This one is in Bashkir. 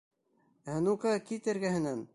Ә ну-ка, кит эргәһенән!